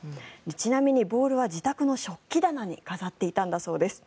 ちなみにボールは自宅の食器棚に飾っていたそうです。